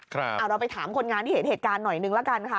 เราไปถามคนงานที่เห็นเหตุการณ์หน่อยนึงละกันค่ะ